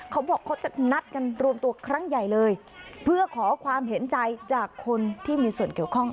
เขาบอกเขาจะนัดกันรวมตัวครั้งใหญ่เลยเพื่อขอความเห็นใจจากคนที่มีส่วนเกี่ยวข้อง